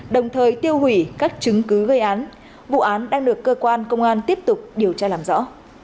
đồng thời tiêu hủy các chứng cứ gây án vụ án đang được cơ quan công an tiếp tục điều tra làm rõ